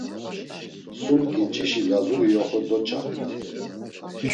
Sum ǩinçişi Lazuri yoxo doç̌arit.